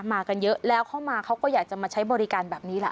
มากันเยอะแล้วเข้ามาเขาก็อยากจะมาใช้บริการแบบนี้แหละ